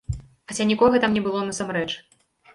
Хаця нікога там не было насамрэч.